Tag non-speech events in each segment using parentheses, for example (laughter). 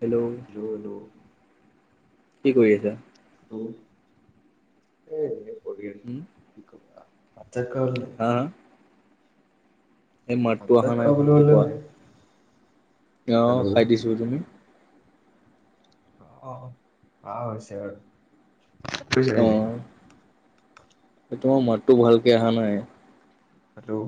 Hello. Hello hello. কি কৰি আছা? উম এই এনেই পঢ়ি আছো। উম কি কবা ভাত চাত খালা নাই? হা হা। এই ভাত মাতটো চাত অহা খোৱা নাই বুলি ভালকে হ'লে কোৱা। নাই তেওঁ হেল্ল' খাই দিছোঁ তুমি অ অ অ হৈছে কাঁহ হৈছে আৰু কৈ যা এনে সেই তোমাৰ মাততো ভালকে অহা নাই। হেল্ল'।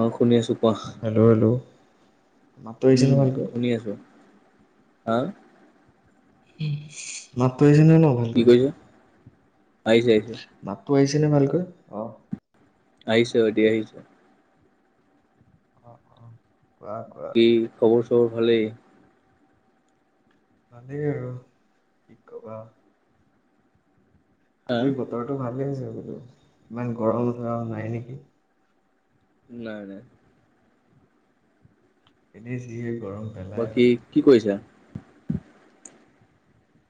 অ শুনি আছোঁ কোৱা। হেল্ল' হেল্ল' মাতটো আহিছে নে উম ভালকৈ। শুনি আছো হা। উ মাতটো আহিছে নে ন। কি ভালকৈ কৈছা আহিছে আহিছে। মাতটো আহিছে নে ভাল কৈ অ। আহিছোঁ দি আহিছোঁ। অ অ কোৱা ক। কি খবৰ চবৰ ভালেই। ভালেই আৰু কি কবা। হা আজি বতৰটো ভালেই হৈছে বোলো ইমান গৰম ধৰা নাই নেকি। নাই নাই। এনেই জিহে গৰম। পেলাই বাকী মানে কি কৰিছাঁ?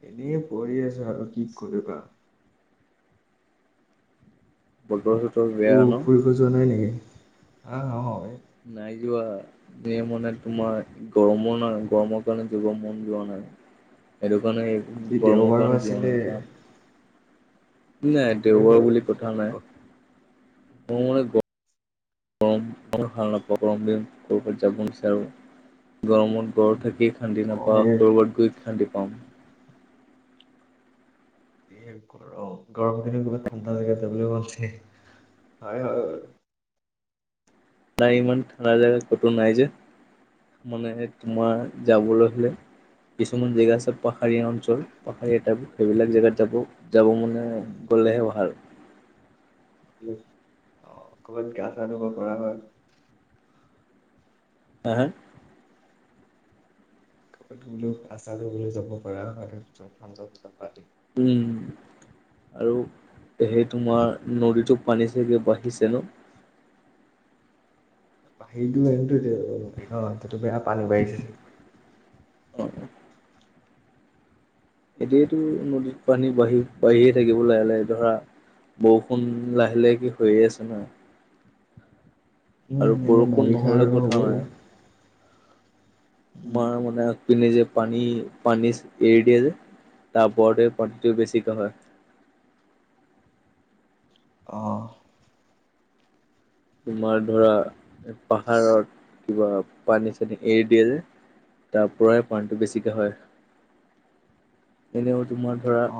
এনেই বহি আছোঁ আৰু কি কৰিবা। বত বলহত কটো ফুৰিব যোৱা নাই নেকি হা অ। নাই যোৱা। দে মানে তোমাৰ গৰমো নাই গৰমকাৰনে যাব মন যোৱা নাই। সটো কাৰণে আজি গৰম দেওবাৰো কাৰণে যোৱা আছিলে নাই যাম। নাই সেইটোৱে দেওবাৰ প্ৰব্লেম বুলি কথা চবৰে নাই মোৰ মানে গ গৰম মই ভাল নাপাওঁ গৰম দিনত ' যাব নিবিচাৰোঁ গৰমত ঘৰত থাকি। খান্দি অ নাপাওঁ এই ক'ৰবাত গৈ খান্দি পাওঁ। এই গৰম গৰম দিনত বহুত ঠাণ্ডা লাগে জেগা হয় হয় বাৰু নাই ইমান ঠাণ্ডা জেগা ক'তো নাই যে মানে তোমাৰ যাবলৈ হ'লে। কিছুমান জেগা আছে পাহাৰীয়া অঞ্চল পাহাৰীয়া এটা সেইবিলাক জেগাত যাব। যাব মানে গ'লেহে ভাল। অ অকণমান গা চা ধুব পাৰা হয়। হা হা। (unintelligible) উম। আৰু সেই তোমাৰ নদীটো পানী চাগৈ বাঢ়িছে ন? বাহিৰতো এয়া ন এইতোটো বেয়া পানী বাঢ়িছে। অ এতিয়াতো নদীত পানী বাঢ়ি বাঢ়িয়ে থাকিব লাহে লাহে ধৰা বৰষুণ লাহে লাহে কে হৈয়ে আছে ন। উ আৰু এ বৰষুণ বাৰিষা নহ'লে আৰু কথা নাই। হ'বই। উম মই মানে পিনে যে পানী পানীচ এৰি দিয়ে যে তাৰ ওপৰতে পাকটো বেছিকৈ হয় অ তোমাৰ ধৰা পাহাৰত কিবা পানী চানী এৰি দিয়া যে তাৰ পৰাই পানীটো বেছিকে হয় (inaudible) এনেও তোমাৰ ধৰা অ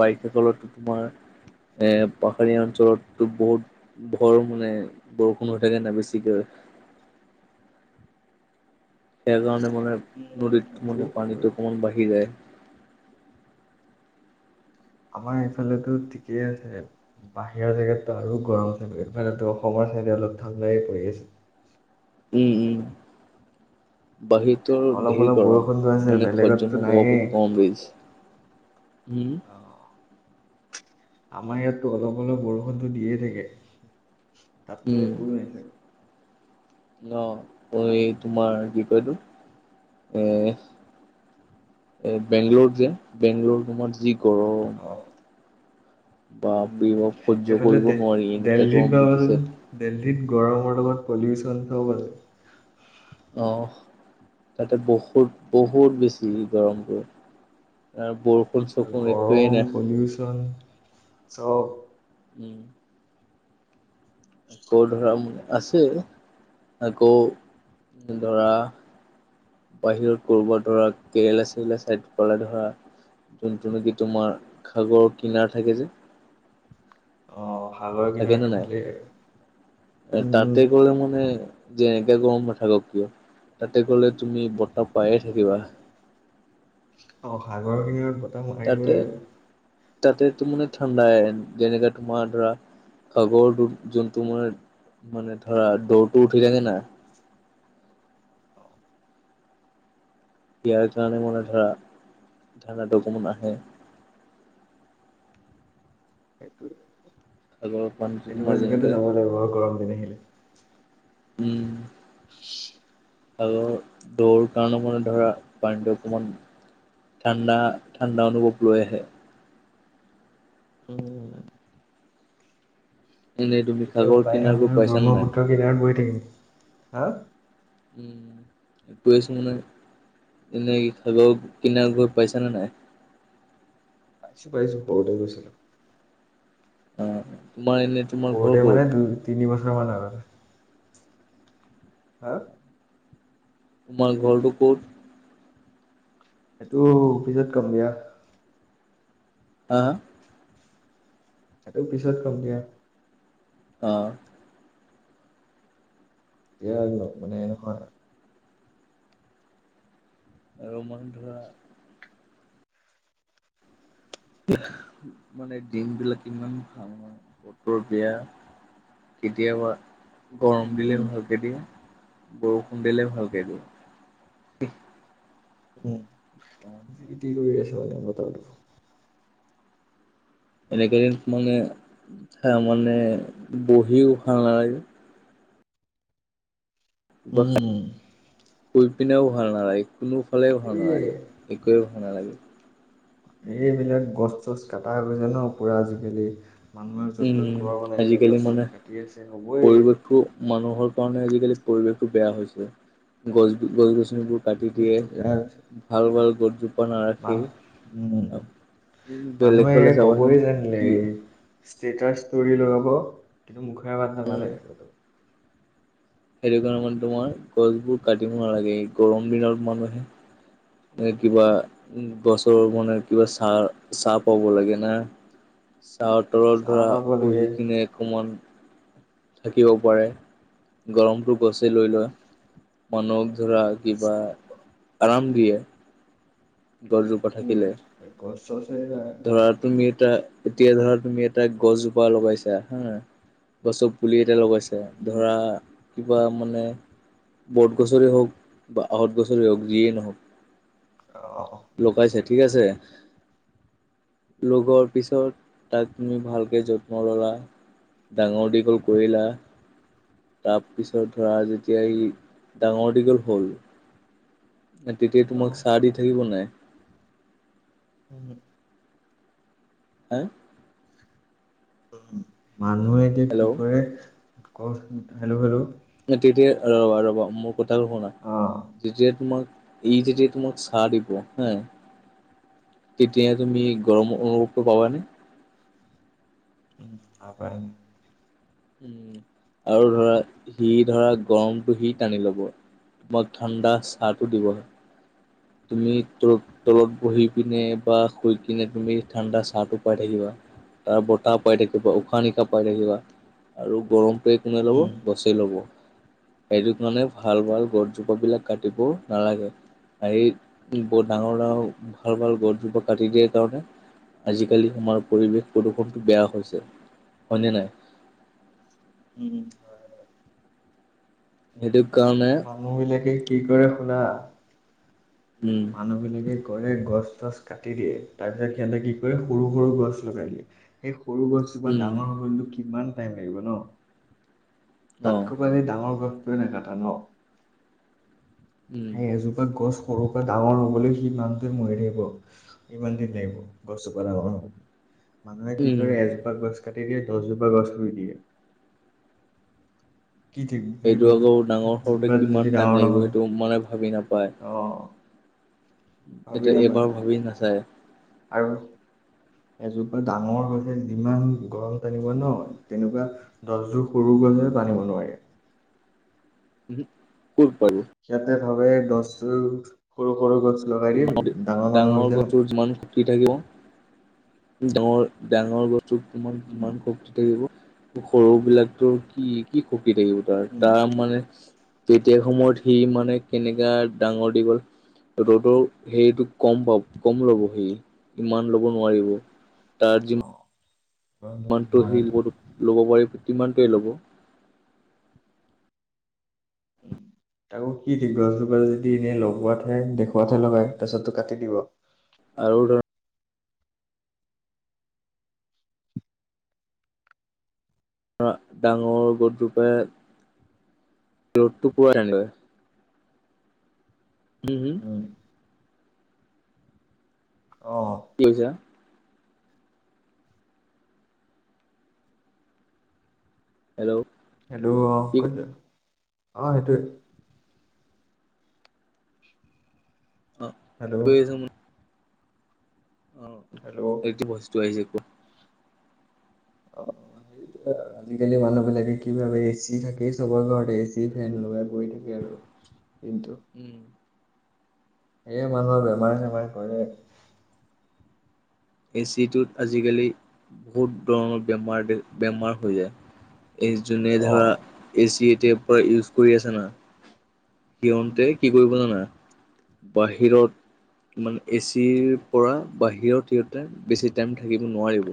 বাইক সেইফালেতো তোমাৰ এ পাহাৰীয়া অঞ্চলতো বহুত ভৰ মানে বৰষুণ হৈ থাকে নাই বেছিকৈ। সেই কাৰণে মানে উম নদীত সেইটো মানে হয় বাৰু পানীটো অকমান বাঢ়ি যায়। আমাৰ এইফালেতোত ঠিকেই আছে। বাহিৰা জেগাত আৰু গৰম এফালে অসমৰ ছাইডে অলপ ঠাণ্ডাই পৰি আছে উম উম বাহিৰটো আৰু অলপ ঢেৰ অলপ গৰম বৰষুণটো আছে মানে সহ্য বেলেগততো নায়েই। নোহোবা গৰম পৰিছে (unintelligible) উম অ আমাৰ ইয়াতটো অলপ অলপ বৰষুণতো দিয়ে থাকে তাতটো উম, সেইটোও নিদে ন মই তোমাৰ কি কয় এইটো এ এ বেংগলত যে বেংগলত তোমাৰ যি গৰম অ বাপৰে উম বাপ সহ্য এইফালে কৰিব দে নোৱাৰি এনেকা দেল্লিত দি দিছে গৰম দেল্লীত গৰমৰ লগত পলিউচন চব আৰ অ তাতে বহুত বহুত বেছি গৰমটো না ব আৰু গৰম পলিউচন চব উম আকৌ ধৰা আছে আকৌ ধৰা বাহিৰত কৰবাত ধৰা কেৰেলা চেৰেলা চাইডৰ ফালে ধৰা যোনটো নিকি তোমাৰ সাগৰ কিনাৰ থাকে যে অ সাগৰ থাকে নে কিনাৰটো নাই ভালেই আৰু উম উম তাতে গৈ মানে যে এনেকে গৰম নাথাকক কিয় তাতে গলে তুমি বতাহ পায়ে থাকিবা অ সাগৰৰ কিনাৰত বতাহ মাৰিবই তাতে আৰু। তাতে তো মানে ঠাণ্ডাই যেনেকা তোমাৰ ধৰা সাগৰ যোন যোন তোমাৰ মানে ধৰা ধৌটো উঠি উঠিলেনে নাই (inaudible) ইয়াৰ কাৰণে মানে ধৰা ঠাণ্ডাতে কোনো নাহে সেইটো সাগৰৰ পানীটো তোমাৰ তেনেকুৱা জেগালে যেনেকে যাব পাৰিবা আৰু গৰম দিন আহিলে উম (unintelligible) আগৰ দৰ কাৰণে মানে ধৰা পানীটো অকমান ঠাণ্ডা ঠাণ্ডা অনুভৱ লৈ আহে উম এনেই তুমি তেতিয়া সাগৰ উপায়হিন কিনাৰ গৈ হলে আৰু পাইছানে নাই ব্ৰহ্মপুত্ৰ কিনাৰত বহি‌ থাকিম, হা। উম, কৰি আছোঁ মানে এনেই কি খাব কিনাৰ ঘৰত পাইছনে নাই। পাইছো পাইছো সৰুতে গৈছিলো। অঁ, তোমাৰ এনেই ঘৰতে মানে দুই তিনি বছৰ মানৰ আগ হা তোমাৰ ঘৰটো ক'ত? এইটো অফিচত কম দিয়া। হা হা সেইটো পিছত কম দিয়া। অঁ এতিয়া মা মানে নহয়। আৰু মই ধৰা মানে ডিম বিলাক ইমান ভাল? বতৰ বিয়া কেতিয়াবা গৰম দিলে উম। ভালকে দিয়ে, বৰষুণ দিলে ভালকে দিয়ে। উম, ইতি কৰি আছে মানে বতৰটো। এনেকে দিন মানে মানে বহি উহা নালাগে। উম। শুই পিনেও ভাল নালাগে, কোনোফালেও ভাল এ নালাগে। একোৱে ভাল নালাগে। এই সেইবিলাক গছ চছ কাটা গৈছে ন পুৰা আজিকালি। মানুহে য'ত উম ত'ত ঘৰ বনাই আছে, আজিকালি গছ তছ মানে কাটি আছে হবই। পৰিৱেশটো মানুহৰ কাৰণে আজিকালি পৰিৱেশতটো বেয়া হৈছে গছ গছ গছনিবোৰ কাটি দিয়ে, পৰিৱেশটো বেয়া হৈছে ভাল ভাল গছ জোপা মান নাৰাখি উম। উম বেলেগ মানুহে ফালে ক'বই চাবাচোন জানিলে কি? এই ষ্টেটাচ তৰি লগাব কিন্তু মুখৰে মাত উম নামাতে কতো। সেইটো কাৰণে মানে তোমাৰ গছবোৰ কাটিব নালাগে, গৰম দিনত মানুহে কিবা গছৰ মানে কিবা চাহ চাহ পাব লাগে না। চাহ তলৰ চাহ ধৰা পাব লাগে বহি কিনে অকমান থাকিব পাৰে, গৰমটো গছে লৈ লয়। মানুহক ধৰা কিবা আৰাম দিয়ে। গজু উম, গছ চছ সেইয়া ধৰা তুমি এটা এতিয়া ধৰা তুমি এটা গছজোপা লগাইছা হয় নহয়। গছৰ পুলি এতিয়া লগাইছে ধৰা। কিবা মানে বট গছৰেই হওক বা আঁহত গছৰেই হওক যিয়েই নহওক। অ লগাইছে ঠিক আছে। লগোৱাৰ পিছত তাক তুমি ভালকৈ যত্ন ল'লা। ডাঙৰ দীঘল কৰিলা। তাৰপিছত ধৰা যেতিয়া ই ডাঙৰ দীঘল হ'ল। তেতিয়া তোমাক ছাঁ দি থাকিব নাই। উম হা মানুহে এতিয়া কি কৰে হেল্ল' ক হেল্লো- হেল্লো তেতিয়া ৰবা ৰ'বা মোৰ কথাটো শুনা আহ যেতিয়া তোমাক এই যেতি তোমাক চাৰ দিব হা তেতিয়া তুমি গৰম অনুভৱটো পাবানে উম আ (unintelligible) উম আৰু ধৰা সি ধৰা গৰমটো সি টানি ল'ব তোমাক ঠাণ্ডা চাহটো দিব তুমি তলত বহি পিনে বা শুই কিনে তুমি ঠাণ্ডা চাহটো পাই থাকিবা তাৰ বতাহ পাই থাকিবা উশাহ নিশাহ পাই থাকিবা আৰু গৰমটোৱে কোনে ল'ব উম গছেই ল'ব এইটো কাৰণে ভাল ভাল গছজোপাবিলাক কাটিব নালাগে সেই ডাঙৰ ডাঙৰ ভাল ভাল গছজোপা কাটি দিয়াৰ কাৰণে আজিকালি আমাৰ পৰিৱেশ প্ৰদূৰ্ষণটো বেয়া হৈছে হয়নে নাই উম হয় সেইটো কাৰণে মানুহ বিলাকে কি কৰে শুনা উম, মানুহবিলাকে কৰে গছ তছ কাটি দিয়ে তাৰ পিছত সিহঁতে কি কৰে সৰু সৰু গছ লগাই দিয়ে সেই সৰু গছোপা উম, ডাঙৰ হ গছ কিমান টাইম লাগিব ন অ', তাতকৈ জপ ডাঙৰ গছটোৱে নকাটা ন উম, সেই এজোপা গছ সৰু ডাঙৰ হবলৈ সি মানটো মৰি থাকিব ইমান দিন লিব গছজোপা ডাঙৰ হবলৈ মানুহে কি উম। কৰে এজোপা গছ কাটি দিয়ে দছজোপা গছ ৰুই দিয়ে কি ঠিক সেই সেইটো আকৌ ডাঙৰ সৰুতে গছজোপা যদি কিমান ডাঙৰ টাইম লাগিব নহয় সেইটো মানে ভাবিব নাপায় অ ভাবি এটো নাপায় এইবাৰ ভাবি নাচায় আৰু এজোপা ডাঙৰ হলে ইমান গৰম তেনেকুৱা ন তেনেকুৱা গছ যোৰ সৰু গলেহ উম, বান্ধিব নোৱাৰে ক'ত পাৰো সিহঁতে ভাবে গছ জোৰ সৰু সৰু গছ লগাই দিম ডাঙৰ মানুহ হৈছে ন জ মান (unintelligible) থাকিব ডাঙৰ ডাঙৰ গছটো তোমাৰ উম কিমান ব্যস্ত থাকিব সৰু বিলাকতৰ কি কি খকী থাকিব তাৰ উম তাৰ মানে তেতিয়া সময়ত সি মানে কেনেকা ডাঙৰ দীঘল গ'ল ৰ'দ তোৰ হেৰিটো কম পাব কম ল'ব হে ইমান ল'ব নোৱাৰিব তাৰ অ গৰম টানিব যিমানটো নোৱাৰে শিল ল'ব পাৰি কিমানটোৱে ল'ব উম তাকৌ কি দি গছ জোপাৰ যদি এনেই লগোৱাতহে দেখুৱাতহে লগাই তাৰপিছতটো কাটি দিব আৰু ধৰ ডাঙৰ গছ জোপাই ৰ'দটো পোৱা টানি লয় হ হু উম অঁ কি কৈছা হেল্ল' হেল্টো' অ কি ক অ সেইটোৱে অ হেল্ল' (unintelligible) অঁ হেল্ল' এইটো বস্তু আহিছে কোৱা। অ এৱেই (inaudible) আজিকালি মানুহ বিলাকে কি ভাবে এচি থাকে চবৰ ঘৰতে এচি ফেন লগাই গৈ থাকে আৰু কিন্তু উম সেয়ে মানুহৰ বেমাৰে চেমাৰ কৰে। এচিটোত আজিকালি বহুত ধৰণৰ বেমাৰ বেমাৰ হৈ যায়। এই যোনে অ ধৰা এ চি টেপৰ ইউজ কৰি আছে না উম, সিহঁতে কি কৰিব জানা। বাহিৰত মানে এচিৰ পৰা বাহিৰত সিহঁতে বেছি টাইম থাকিব নোৱাৰিব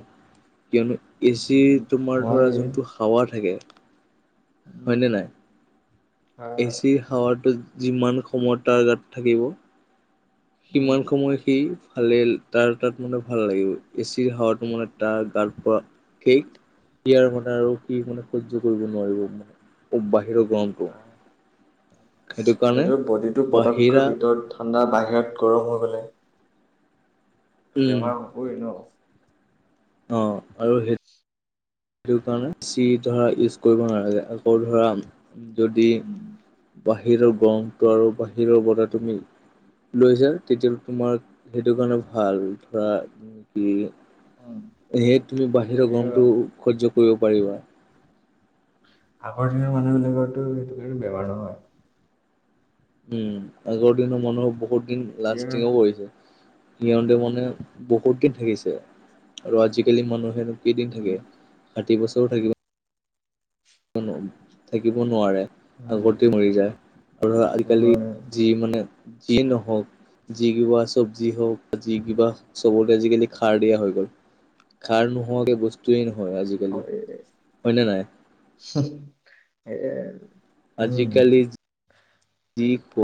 কিয়নো এ চি তোমাৰ ধৰা নোৱাৰি যোনটো হাৱা থাকে। উম, হয়নে নাই আহ, এচি হাৱাটো যিমান সময় তাৰ গাত থাকিব উম, সিমান সময় সি ভালে তাৰ তাত মানে ভাল লাগিব এচিৰ হাৱাটো মানে তাৰ গা পৰা সেই ইয়াৰ কাৰনে আৰু সি মানে সহ্য কৰিব নোৱাৰিব বাহিৰৰ গৰম নিজৰ বডিটো বাহিৰা পতককৈ ভিতৰত ঠাণ্ডা বাহিৰত গৰম হৈ পেলাই উম বেমাৰ হ'বই ন। অ আৰু সেইটো সেইটো কাৰণে চি ধৰা ইউজ কৰিব নালাগে আকৌ ধৰা যদি উম, বাহিৰৰ গৰমটো আৰু বাহিৰৰ বতাহ তুমি লৈছা তেতিয়া তোমাক সেইটো কাৰণে ভাল ধৰা উম, কি হে তুমি বাহিৰৰ এই গৰমতটো সহ্য কৰিব পাৰিবা। আগৰ দিনৰ মানুহবিলাকৰটো এইটো এইটো বেমাৰ নহয়। উম আগৰ দিনৰ মানুহৰ বহুত দিন এতিয়া লাষ্টিঙও কৰিছে। সিহঁতে মানে বহুত দিন থাকিছে আৰু আজিকালি মানুহে কেইদিন উম, থাকে ষাঠি বছৰো থাকিব থাকিব নোৱাৰে উম, আগতে মৰি যায় আৰু থাকিব আজিকালি নোৱাৰে যি মানে যি নহওঁক। যি কিবা চব্জি হওঁক বা যি কিবা চবতে আজিকালি সাৰ দিয়া হৈ গ'ল। সাৰ নোহোৱাকে বস্তুৱে নহয় আজিকালি। হয়নে নাই? (inaudible) আজিকালি যি খোৱা